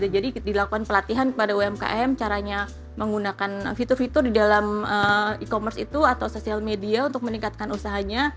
jadi dilakukan pelatihan kepada umkm caranya menggunakan fitur fitur di dalam e commerce itu atau sosial media untuk meningkatkan usahanya